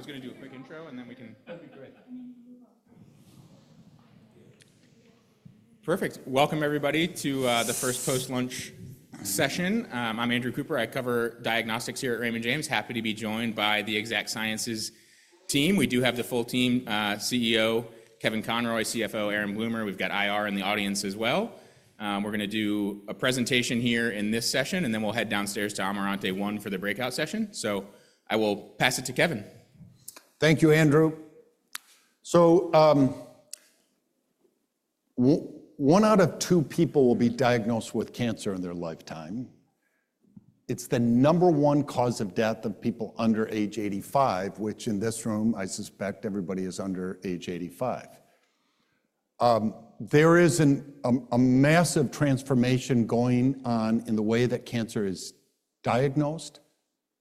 I was going to do a quick intro, and then we can. That'd be great. Perfect. Welcome, everybody, to the first post-lunch session. I'm Andrew Cooper. I cover diagnostics here at Raymond James, happy to be joined by the Exact Sciences team. We do have the full team, CEO Kevin Conroy, CFO Aaron Bloomer. We've got IR in the audience as well. We're going to do a presentation here in this session, and then we'll head downstairs to Amarante One for the breakout session, so I will pass it to Kevin. Thank you, Andrew. One out of two people will be diagnosed with cancer in their lifetime. It's the number one cause of death of people under age 85, which in this room, I suspect everybody is under age 85. There is a massive transformation going on in the way that cancer is diagnosed,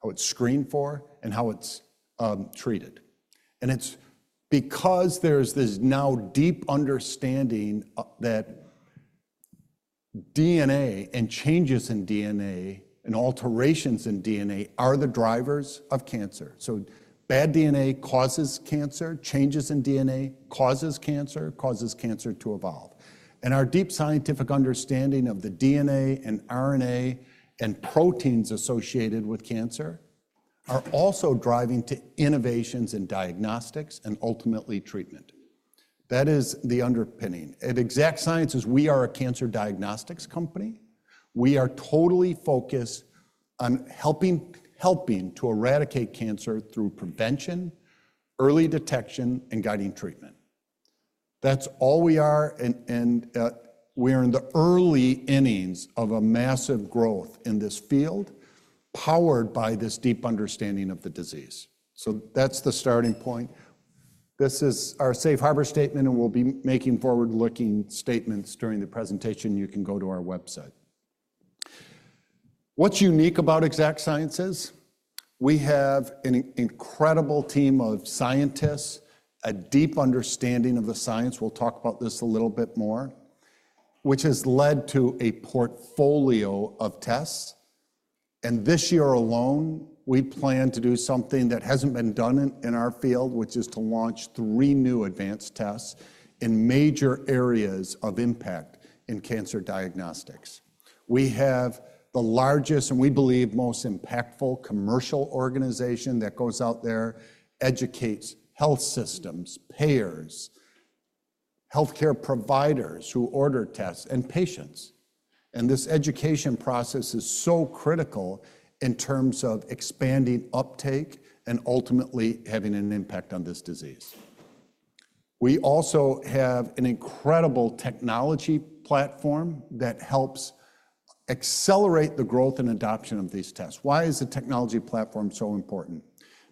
how it's screened for, and how it's treated. And it's because there's this now deep understanding that DNA and changes in DNA and alterations in DNA are the drivers of cancer. So bad DNA causes cancer, changes in DNA causes cancer, causes cancer to evolve. And our deep scientific understanding of the DNA and RNA and proteins associated with cancer are also driving to innovations in diagnostics and ultimately treatment. That is the underpinning. At Exact Sciences, we are a cancer diagnostics company. We are totally focused on helping to eradicate cancer through prevention, early detection, and guiding treatment. That's all we are, and we are in the early innings of a massive growth in this field powered by this deep understanding of the disease, so that's the starting point. This is our Safe Harbor Statement, and we'll be making forward-looking statements during the presentation. You can go to our website. What's unique about Exact Sciences? We have an incredible team of scientists, a deep understanding of the science. We'll talk about this a little bit more, which has led to a portfolio of tests, and this year alone, we plan to do something that hasn't been done in our field, which is to launch three new advanced tests in major areas of impact in cancer diagnostics. We have the largest, and we believe most impactful commercial organization that goes out there, educates health systems, payers, healthcare providers who order tests, and patients. And this education process is so critical in terms of expanding uptake and ultimately having an impact on this disease. We also have an incredible technology platform that helps accelerate the growth and adoption of these tests. Why is the technology platform so important?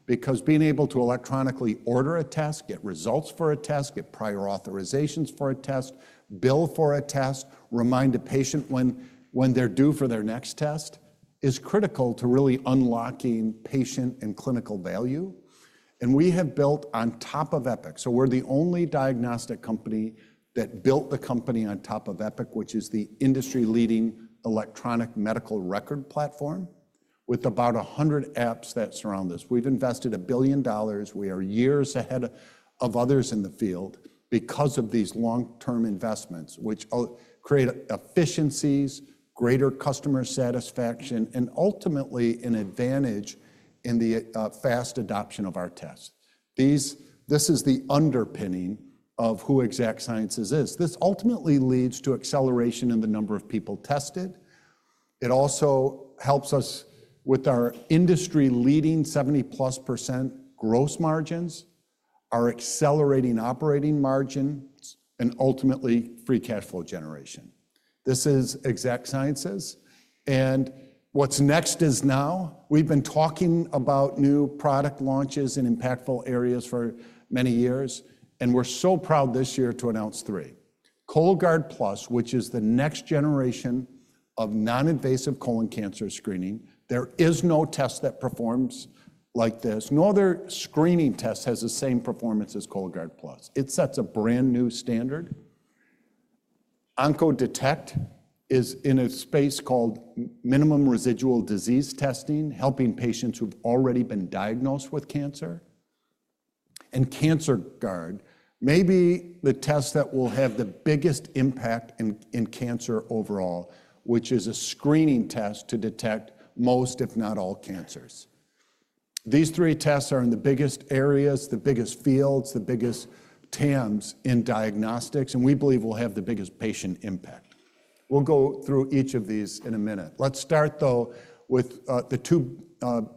Because being able to electronically order a test, get results for a test, get prior authorizations for a test, bill for a test, remind a patient when they're due for their next test is critical to really unlocking patient and clinical value. And we have built on top of Epic. So we're the only diagnostic company that built the company on top of Epic, which is the industry-leading electronic medical record platform with about 100 apps that surround us. We've invested $1 billion. We are years ahead of others in the field because of these long-term investments, which create efficiencies, greater customer satisfaction, and ultimately an advantage in the fast adoption of our tests. This is the underpinning of who Exact Sciences is. This ultimately leads to acceleration in the number of people tested. It also helps us with our industry-leading 70+% gross margins, our accelerating operating margins, and ultimately free cash flow generation. This is Exact Sciences, and what's next is now we've been talking about new product launches in impactful areas for many years, and we're so proud this year to announce three. Cologuard Plus, which is the next generation of non-invasive colon cancer screening. There is no test that performs like this. No other screening test has the same performance as Cologuard Plus. It sets a brand new standard. OncoDetect is in a space called minimum residual disease testing, helping patients who've already been diagnosed with cancer, and CancerGuard, maybe the test that will have the biggest impact in cancer overall, which is a screening test to detect most, if not all, cancers. These three tests are in the biggest areas, the biggest fields, the biggest TAMs in diagnostics, and we believe we'll have the biggest patient impact. We'll go through each of these in a minute. Let's start, though, with the two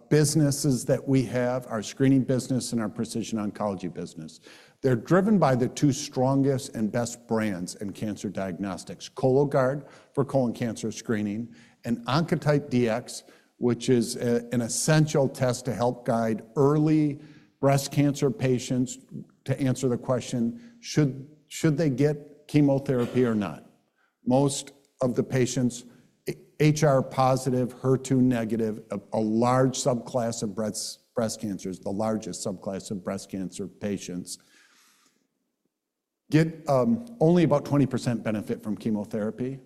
businesses that we have, our screening business and our precision oncology business. They're driven by the two strongest and best brands in cancer diagnostics, Cologuard for colon cancer screening and Oncotype DX, which is an essential test to help guide early breast cancer patients to answer the question, should they get chemotherapy or not? Most of the patients, HR-positive, HER2-negative, a large subclass of breast cancers, the largest subclass of breast cancer patients, get only about 20% benefit from chemotherapy.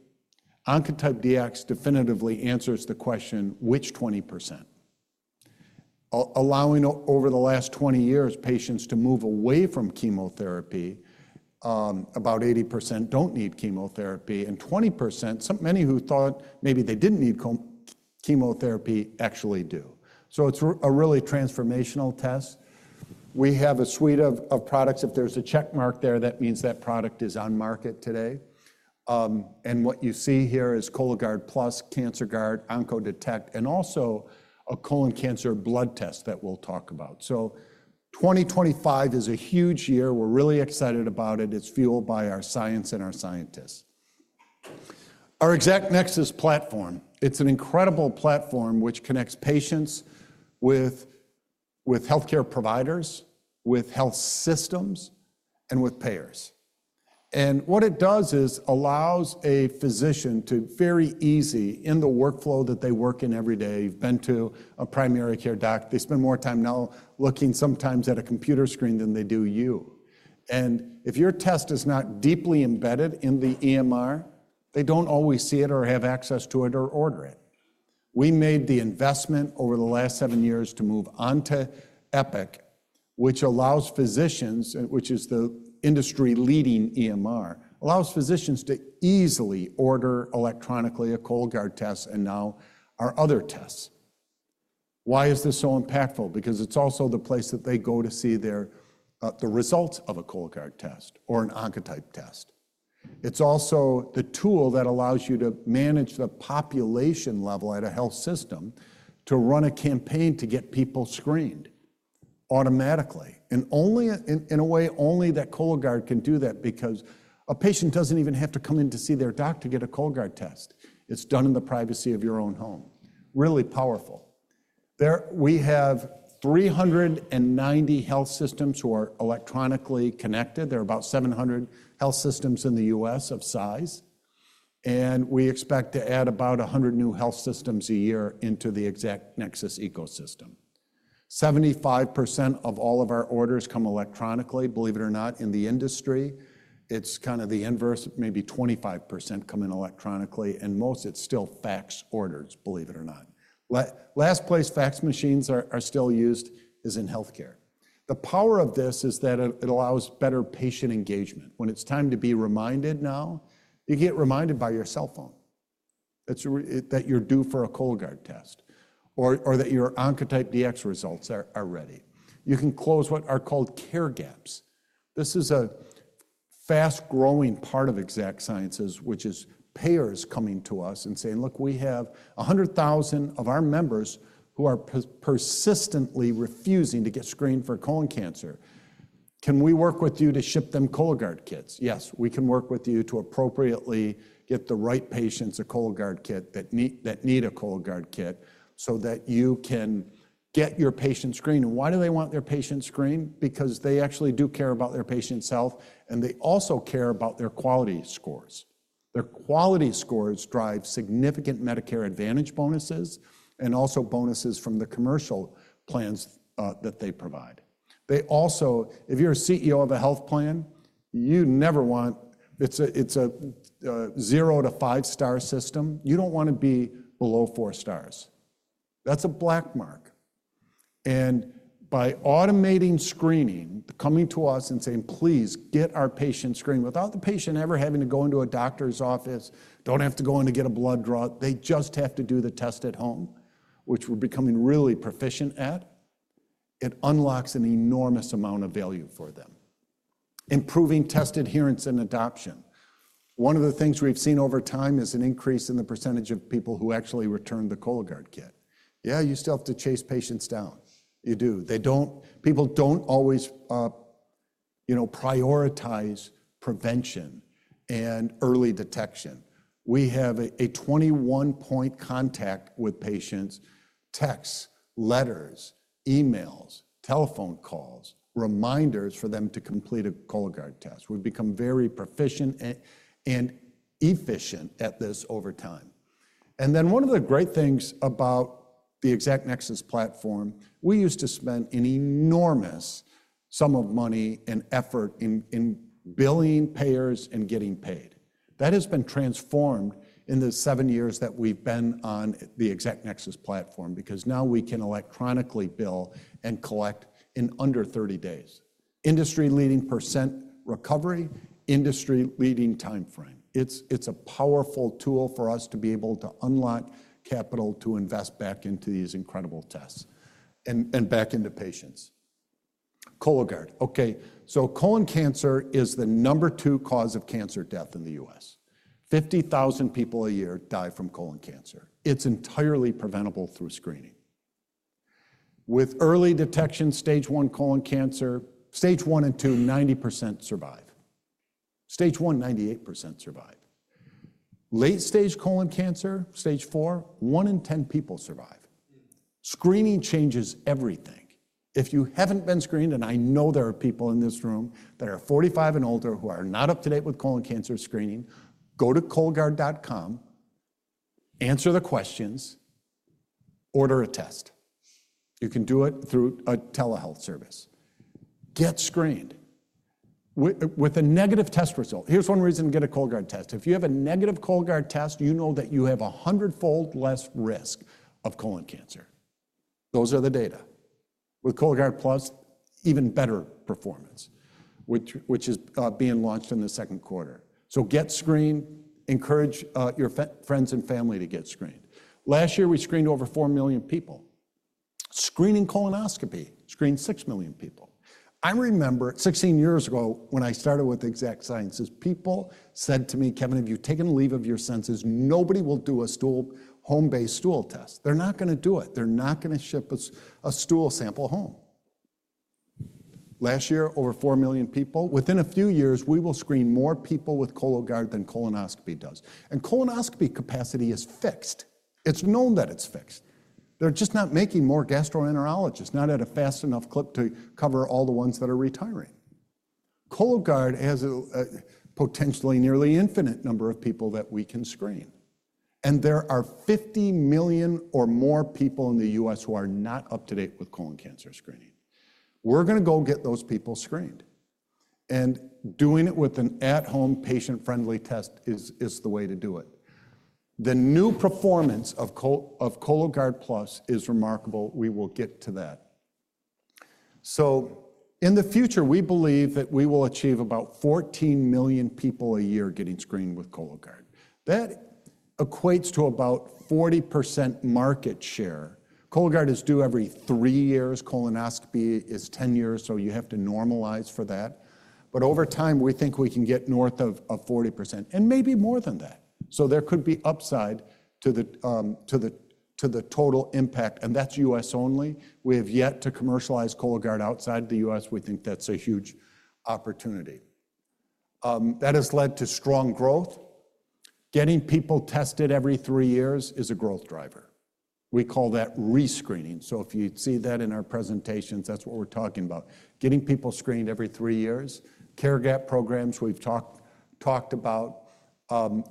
Oncotype DX definitively answers the question, which 20%? Allowing, over the last 20 years, patients to move away from chemotherapy. About 80% don't need chemotherapy, and 20%, many who thought maybe they didn't need chemotherapy, actually do. So it's a really transformational test. We have a suite of products. If there's a checkmark there, that means that product is on market today. And what you see here is Cologuard Plus, CancerGuard, OncoDetect, and also a colon cancer blood test that we'll talk about. So 2025 is a huge year. We're really excited about it. It's fueled by our science and our scientists. Our Exact Nexus platform, it's an incredible platform which connects patients with healthcare providers, with health systems, and with payers. And what it does is allows a physician to very easy, in the workflow that they work in every day. They've been to a primary care doc. They spend more time now looking sometimes at a computer screen than they do. You. And if your test is not deeply embedded in the EMR, they don't always see it or have access to it or order it. We made the investment over the last seven years to move on to Epic, which allows physicians, which is the industry-leading EMR, allows physicians to easily order electronically a Cologuard test and now our other tests. Why is this so impactful? Because it's also the place that they go to see the results of a Cologuard test or an Oncotype test. It's also the tool that allows you to manage the population level at a health system to run a campaign to get people screened automatically. And in a way, only that Cologuard can do that because a patient doesn't even have to come in to see their doctor to get a Cologuard test. It's done in the privacy of your own home. Really powerful. We have 390 health systems who are electronically connected. There are about 700 health systems in the U.S. of size. And we expect to add about 100 new health systems a year into the Exact Nexus ecosystem. 75% of all of our orders come electronically, believe it or not, in the industry. It's kind of the inverse. Maybe 25% come in electronically. And most, it's still fax orders, believe it or not. Last place, fax machines are still used is in healthcare. The power of this is that it allows better patient engagement. When it's time to be reminded now, you get reminded by your cell phone that you're due for a Cologuard test or that your Oncotype DX results are ready. You can close what are called care gaps. This is a fast-growing part of Exact Sciences, which is payers coming to us and saying, "Look, we have 100,000 of our members who are persistently refusing to get screened for colon cancer. Can we work with you to ship them Cologuard kits?" Yes, we can work with you to appropriately get the right patients a Cologuard kit that need a Cologuard kit so that you can get your patient screened, and why do they want their patient screened? Because they actually do care about their patient's health, and they also care about their quality scores. Their quality scores drive significant Medicare Advantage bonuses and also bonuses from the commercial plans that they provide. If you're a CEO of a health plan, you never want. It's a zero to five-star system. You don't want to be below four stars. That's a black mark, and by automating screening, coming to us and saying, "Please get our patient screened," without the patient ever having to go into a doctor's office, don't have to go in to get a blood draw, they just have to do the test at home, which we're becoming really proficient at, it unlocks an enormous amount of value for them. Improving test adherence and adoption. One of the things we've seen over time is an increase in the percentage of people who actually return the Cologuard kit. Yeah, you still have to chase patients down. You do. People don't always prioritize prevention and early detection. We have a 21-point contact with patients, texts, letters, emails, telephone calls, reminders for them to complete a Cologuard test. We've become very proficient and efficient at this over time, and then one of the great things about the Exact Nexus platform, we used to spend an enormous sum of money and effort in billing payers and getting paid. That has been transformed in the seven years that we've been on the Exact Nexus platform because now we can electronically bill and collect in under 30 days. Industry-leading percent recovery, industry-leading timeframe. It's a powerful tool for us to be able to unlock capital to invest back into these incredible tests and back into patients. Cologuard. Okay, so colon cancer is the number two cause of cancer death in the U.S. 50,000 people a year die from colon cancer. It's entirely preventable through screening. With early detection, stage one colon cancer, stage one and two, 90% survive. Stage one, 98% survive. Late-stage colon cancer, stage four, one in 10 people survive. Screening changes everything. If you haven't been screened, and I know there are people in this room that are 45 and older who are not up to date with colon cancer screening, go to Cologuard.com, answer the questions, order a test. You can do it through a telehealth service. Get screened with a negative test result. Here's one reason to get a Cologuard test. If you have a negative Cologuard test, you know that you have a hundredfold less risk of colon cancer. Those are the data. With Cologuard Plus, even better performance, which is being launched in the second quarter. So get screened. Encourage your friends and family to get screened. Last year, we screened over four million people. Screening colonoscopy screened 6 million people. I remember 16 years ago when I started with Exact Sciences, people said to me, "Kevin, have you taken a leave of your senses? Nobody will do a home-based stool test. They're not going to do it. They're not going to ship a stool sample home." Last year, over 4 million people. Within a few years, we will screen more people with Cologuard than colonoscopy does. Colonoscopy capacity is fixed. It's known that it's fixed. They're just not making more gastroenterologists, not at a fast enough clip to cover all the ones that are retiring. Cologuard has a potentially nearly infinite number of people that we can screen. There are 50 million or more people in the US who are not up to date with colon cancer screening. We're going to go get those people screened. Doing it with an at-home, patient-friendly test is the way to do it. The new performance of Cologuard Plus is remarkable. We will get to that. In the future, we believe that we will achieve about 14 million people a year getting screened with Cologuard. That equates to about 40% market share. Cologuard is due every three years. Colonoscopy is 10 years, so you have to normalize for that. But over time, we think we can get north of 40% and maybe more than that. There could be upside to the total impact, and that's U.S. only. We have yet to commercialize Cologuard outside the U.S. We think that's a huge opportunity. That has led to strong growth. Getting people tested every three years is a growth driver. We call that rescreening. If you'd see that in our presentations, that's what we're talking about. Getting people screened every three years, care gap programs we've talked about.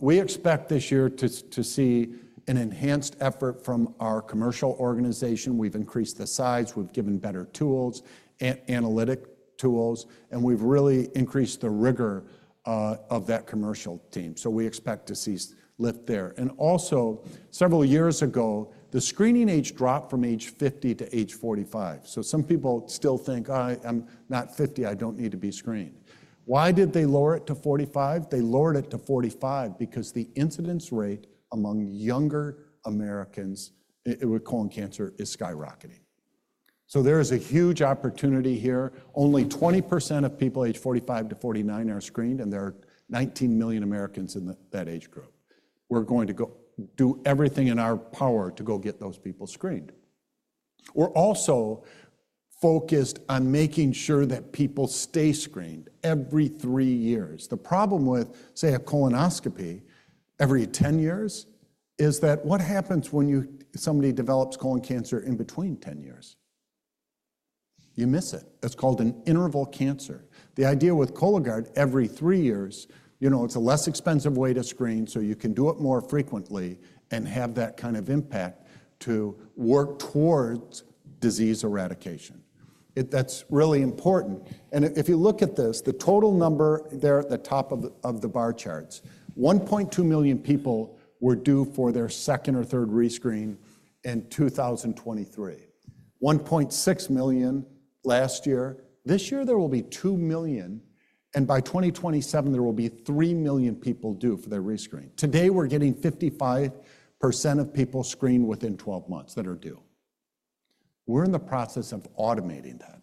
We expect this year to see an enhanced effort from our commercial organization. We've increased the size. We've given better tools, analytic tools, and we've really increased the rigor of that commercial team. So we expect to see lift there. And also, several years ago, the screening age dropped from age 50 to age 45. So some people still think, "I'm not 50. I don't need to be screened." Why did they lower it to 45? They lowered it to 45 because the incidence rate among younger Americans with colon cancer is skyrocketing. So there is a huge opportunity here. Only 20% of people age 45 to 49 are screened, and there are 19 million Americans in that age group. We're going to do everything in our power to go get those people screened. We're also focused on making sure that people stay screened every three years. The problem with, say, a colonoscopy every 10 years is that what happens when somebody develops colon cancer in between 10 years? You miss it. It's called an interval cancer. The idea with Cologuard, every three years, it's a less expensive way to screen, so you can do it more frequently and have that kind of impact to work towards disease eradication. That's really important, and if you look at this, the total number there at the top of the bar charts, 1.2 million people were due for their second or third rescreen in 2023. 1.6 million last year. This year, there will be 2 million, and by 2027, there will be 3 million people due for their rescreen. Today, we're getting 55% of people screened within 12 months that are due. We're in the process of automating that.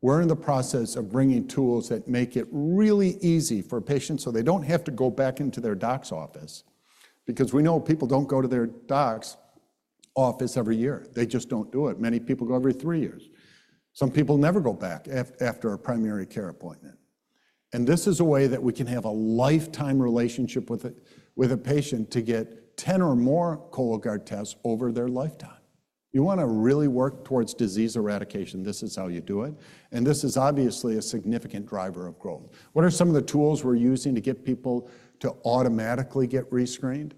We're in the process of bringing tools that make it really easy for patients so they don't have to go back into their doc's office because we know people don't go to their doc's office every year. They just don't do it. Many people go every three years. Some people never go back after a primary care appointment. And this is a way that we can have a lifetime relationship with a patient to get 10 or more Cologuard tests over their lifetime. You want to really work towards disease eradication. This is how you do it. And this is obviously a significant driver of growth. What are some of the tools we're using to get people to automatically get rescreened?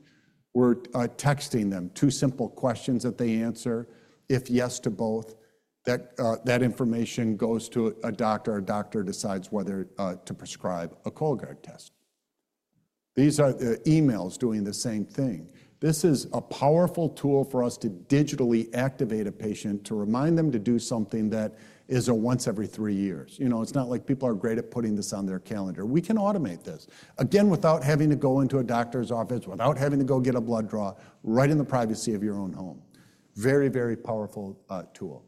We're texting them two simple questions that they answer. If yes to both, that information goes to a doctor. A doctor decides whether to prescribe a Cologuard test. These are the emails doing the same thing. This is a powerful tool for us to digitally activate a patient to remind them to do something that is a once every three years. It's not like people are great at putting this on their calendar. We can automate this. Again, without having to go into a doctor's office, without having to go get a blood draw, right in the privacy of your own home. Very, very powerful tool.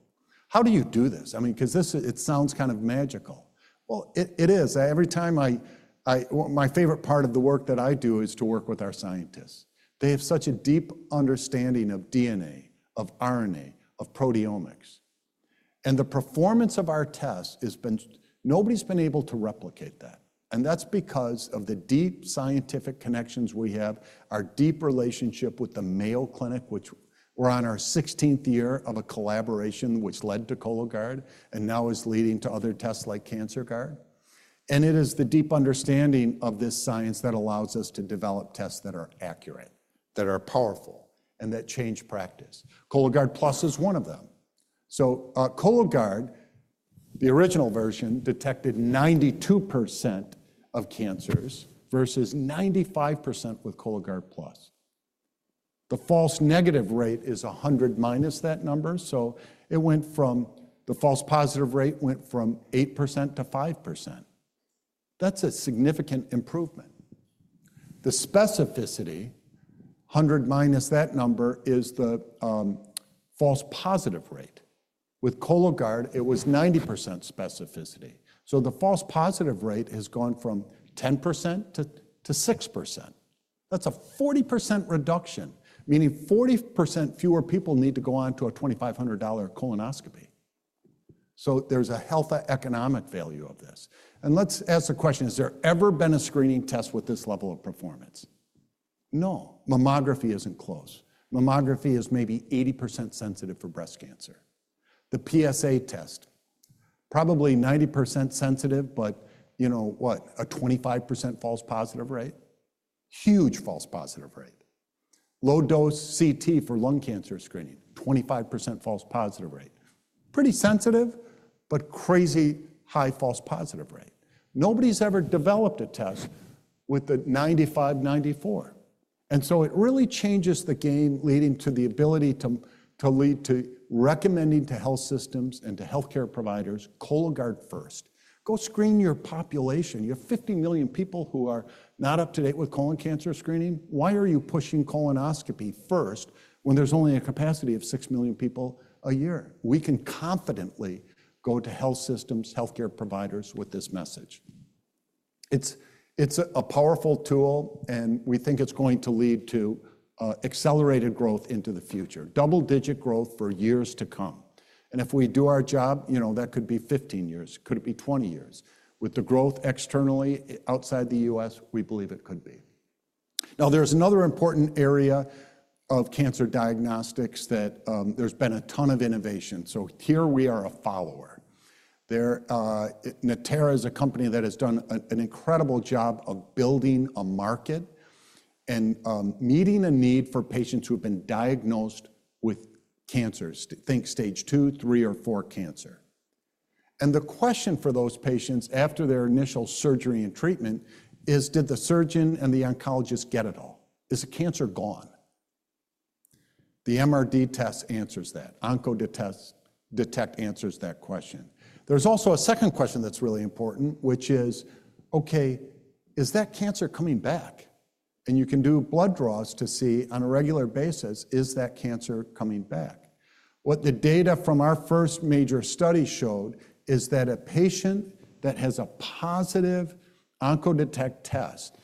How do you do this? I mean, because it sounds kind of magical. Well, it is. Every time my favorite part of the work that I do is to work with our scientists. They have such a deep understanding of DNA, of RNA, of proteomics. And the performance of our tests has been. Nobody's been able to replicate that. And that's because of the deep scientific connections we have, our deep relationship with the Mayo Clinic, which we're on our 16th year of a collaboration which led to Cologuard and now is leading to other tests like CancerGuard. And it is the deep understanding of this science that allows us to develop tests that are accurate, that are powerful, and that change practice. Cologuard Plus is one of them. So Cologuard, the original version, detected 92% of cancers versus 95% with Cologuard Plus. The false negative rate is 100 minus that number. So it went from the false positive rate from 8% to 5%. That's a significant improvement. The specificity, 100 minus that number, is the false positive rate. With Cologuard, it was 90% specificity. So the false positive rate has gone from 10%-6%. That's a 40% reduction, meaning 40% fewer people need to go on to a $2,500 colonoscopy. So there's a health economic value of this. And let's ask the question, has there ever been a screening test with this level of performance? No. Mammography isn't close. Mammography is maybe 80% sensitive for breast cancer. The PSA test, probably 90% sensitive, but you know what? A 25% false positive rate. Huge false positive rate. Low-dose CT for lung cancer screening, 25% false positive rate. Pretty sensitive, but crazy high false positive rate. Nobody's ever developed a test with a 95, 94. And so it really changes the game leading to the ability to lead to recommending to health systems and to healthcare providers, Cologuard first. Go screen your population, your 50 million people who are not up to date with colon cancer screening. Why are you pushing colonoscopy first when there's only a capacity of six million people a year? We can confidently go to health systems, healthcare providers with this message. It's a powerful tool, and we think it's going to lead to accelerated growth into the future, double-digit growth for years to come, and if we do our job, you know that could be 15 years. Could it be 20 years? With the growth externally outside the U.S., we believe it could be. Now, there's another important area of cancer diagnostics that there's been a ton of innovation. So, here we are a follower. Natera is a company that has done an incredible job of building a market and meeting the need for patients who have been diagnosed with cancers, think stage two, three, or four cancer. And the question for those patients after their initial surgery and treatment is, did the surgeon and the oncologist get it all? Is the cancer gone? The MRD test answers that. OncoDetect answers that question. There's also a second question that's really important, which is, okay, is that cancer coming back? And you can do blood draws to see on a regular basis, is that cancer coming back? What the data from our first major study showed is that a patient that has a positive Oncodetect test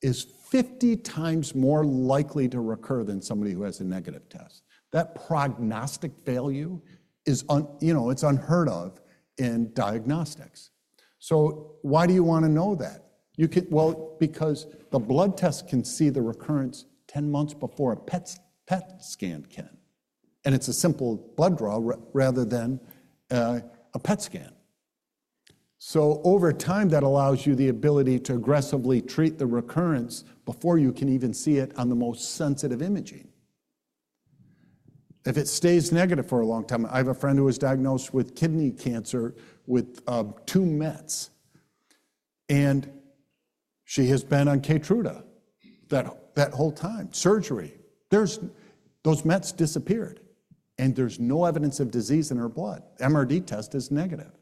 is 50x more likely to recur than somebody who has a negative test. That prognostic failure, it's unheard of in diagnostics. So why do you want to know that? Well, because the blood test can see the recurrence 10 months before a PET scan can. And it's a simple blood draw rather than a PET scan. So over time, that allows you the ability to aggressively treat the recurrence before you can even see it on the most sensitive imaging. If it stays negative for a long time, I have a friend who was diagnosed with kidney cancer with two mets, and she has been on Keytruda that whole time, surgery. Those mets disappeared, and there's no evidence of disease in her blood. MRD test is negative.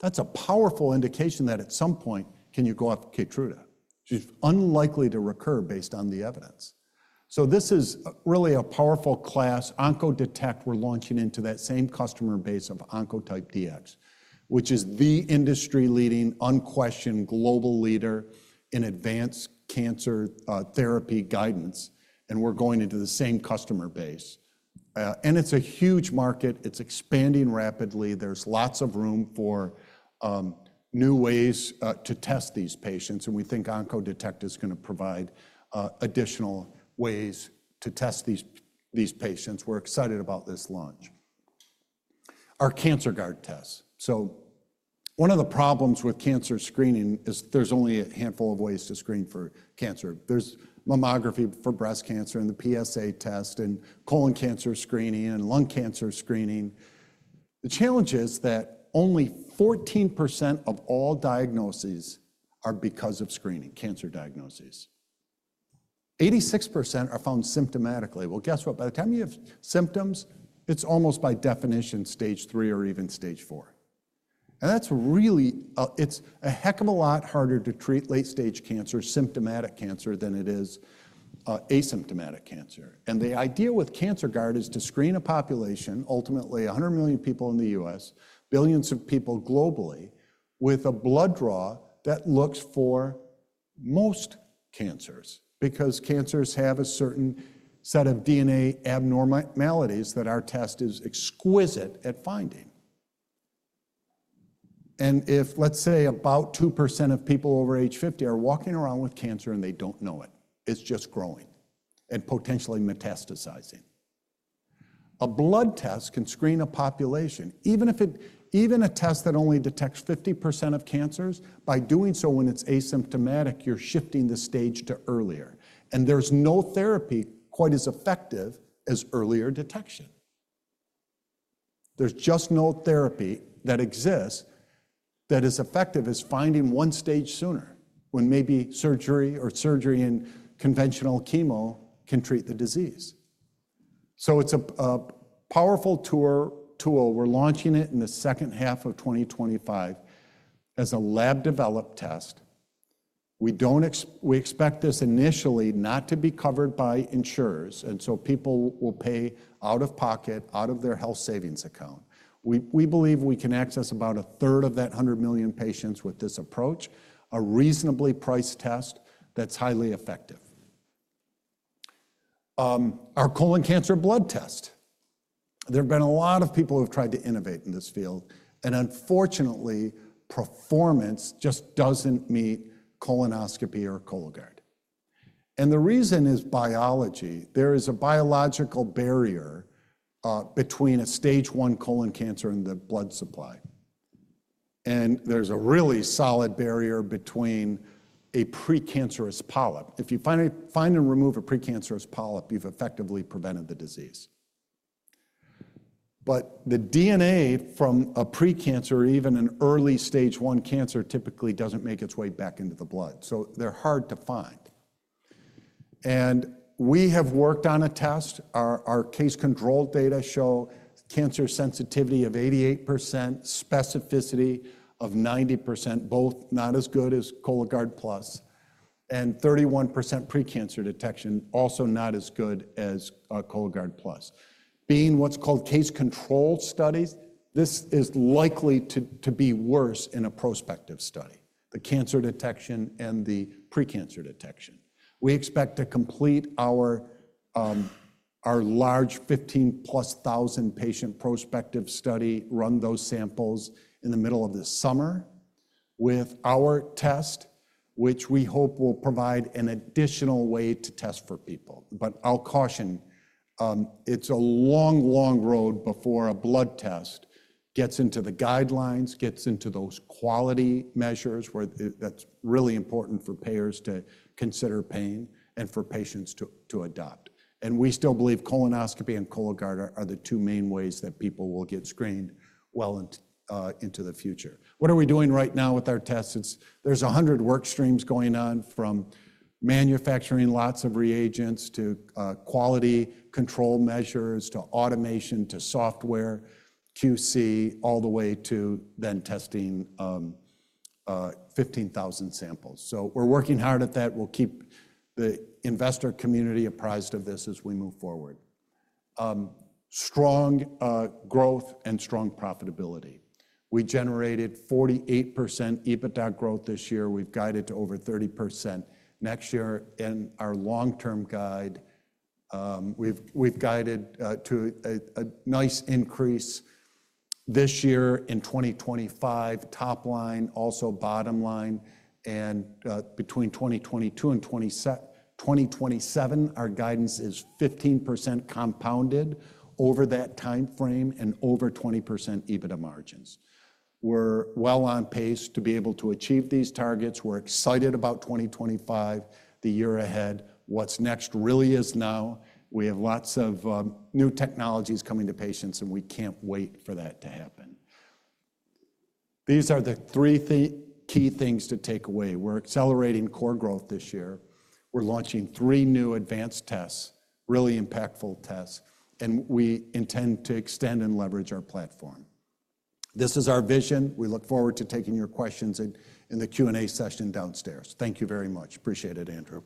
That's a powerful indication that at some point, can you go off Keytruda? She's unlikely to recur based on the evidence. So this is really a powerful class. Oncodetect, we're launching into that same customer base of Oncotype DX, which is the industry-leading, unquestioned global leader in advanced cancer therapy guidance. And we're going into the same customer base. And it's a huge market. It's expanding rapidly. There's lots of room for new ways to test these patients. And we think Oncodetect is going to provide additional ways to test these patients. We're excited about this launch. Our CancerGuard tests. So one of the problems with cancer screening is there's only a handful of ways to screen for cancer. There's mammography for breast cancer and the PSA test and colon cancer screening and lung cancer screening. The challenge is that only 14% of all diagnoses are because of screening, cancer diagnoses. 86% are found symptomatically. Well, guess what? By the time you have symptoms, it's almost by definition stage three or even stage four. And that's really, it's a heck of a lot harder to treat late-stage cancer, symptomatic cancer than it is asymptomatic cancer. And the idea with CancerGuard is to screen a population, ultimately 100 million people in the U.S., billions of people globally, with a blood draw that looks for most cancers because cancers have a certain set of DNA abnormalities that our test is exquisite at finding. And if, let's say, about 2% of people over age 50 are walking around with cancer and they don't know it, it's just growing and potentially metastasizing. A blood test can screen a population. Even a test that only detects 50% of cancers, by doing so when it's asymptomatic, you're shifting the stage to earlier. And there's no therapy quite as effective as earlier detection. There's just no therapy that exists that is effective as finding one stage sooner when maybe surgery or surgery and conventional chemo can treat the disease. So it's a powerful tool. We're launching it in the second half of 2025 as a lab-developed test. We expect this initially not to be covered by insurers. And so people will pay out of pocket, out of their health savings account. We believe we can access about a third of that 100 million patients with this approach, a reasonably priced test that's highly effective. Our colon cancer blood test. There have been a lot of people who have tried to innovate in this field. And unfortunately, performance just doesn't meet colonoscopy or Cologuard. And the reason is biology. There is a biological barrier between a stage one colon cancer and the blood supply. And there's a really solid barrier between a precancerous polyp. If you find and remove a precancerous polyp, you've effectively prevented the disease. But the DNA from a precancer, even an early stage one cancer, typically doesn't make its way back into the blood. So they're hard to find. And we have worked on a test. Our case control data show cancer sensitivity of 88%, specificity of 90%, both not as good as Cologuard Plus, and 31% precancer detection, also not as good as Cologuard Plus. Being what's called case-control studies, this is likely to be worse in a prospective study, the cancer detection and the precancer detection. We expect to complete our large 15,000+ patient prospective study, run those samples in the middle of the summer with our test, which we hope will provide an additional way to test for people. But I'll caution, it's a long, long road before a blood test gets into the guidelines, gets into those quality measures where that's really important for payers to consider paying and for patients to adopt. And we still believe colonoscopy and Cologuard are the two main ways that people will get screened well into the future. What are we doing right now with our tests? There's 100 work streams going on from manufacturing lots of reagents to quality control measures to automation to software, QC, all the way to then testing 15,000 samples. So we're working hard at that. We'll keep the investor community apprised of this as we move forward. Strong growth and strong profitability. We generated 48% EBITDA growth this year. We've guided to over 30% next year in our long-term guide. We've guided to a nice increase this year in 2025, top line, also bottom line and between 2022 and 2027, our guidance is 15% compounded over that timeframe and over 20% EBITDA margins. We're well on pace to be able to achieve these targets. We're excited about 2025, the year ahead. What's next really is now. We have lots of new technologies coming to patients, and we can't wait for that to happen. These are the three key things to take away. We're accelerating core growth this year. We're launching three new advanced tests, really impactful tests, and we intend to extend and leverage our platform. This is our vision. We look forward to taking your questions in the Q&A session downstairs. Thank you very much. Appreciate it, Andrew.